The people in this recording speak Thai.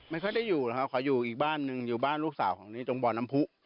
ไม่ค่อยได้อยู่นะครับขออยู่อีกบ้านหนึ่งอยู่บ้านลูกสาวของนี้ตรงบ่อน้ำผู้